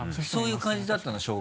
そういう感じだったの？